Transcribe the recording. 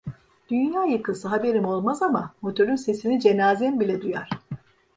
Dünya yıkılsa haberim olmaz ama, motörün sesini cenazem bile duyar!